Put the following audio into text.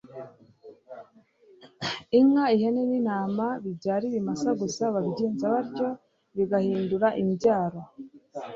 Inka ,ihene n’intama bibyara ibimasa gusa babigenza batyo zigahindura imbyaro